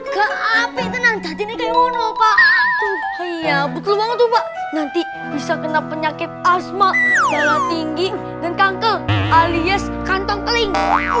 betul banget nanti bisa kena penyakit asma jalan tinggi dan kanker alias kantong kering